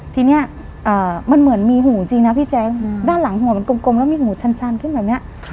ทีนี้มันเหมือนมีหูจริงนะพี่แจ๊คด้านหลังหัวมันกลมแล้วมีหูชันขึ้นแบบนี้